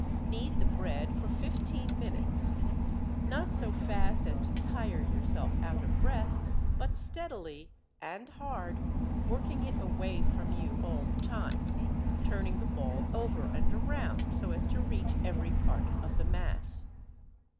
Knead the bread for fifteen minutes—not so fast as to tire yourself out of breath, but steadily and hard, working it away from you all the time, turning the ball over and around so as to reach every part of the mass.